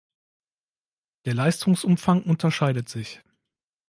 Der Leistungsumfang unterscheidet sich.